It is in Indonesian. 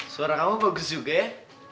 suara kamu bagus juga ya